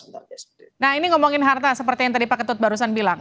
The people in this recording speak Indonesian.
nah ini ngomongin harta seperti yang tadi pak ketut barusan bilang